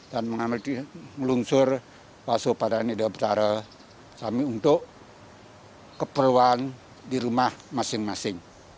dan mengambil melungsur masuk pada nidra betara saming untuk keperluan di rumah masing masing